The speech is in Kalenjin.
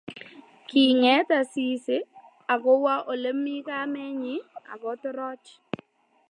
Kinget Asisi akowo ole mi kamenyi akotoroch